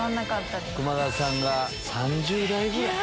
久間田さんが「３０代ぐらい」。